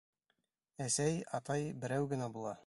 Әсәй, атай берәү генә була.